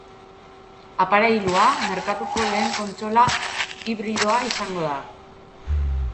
Aparailua merkatuko lehen kontsola hibridoa izango da.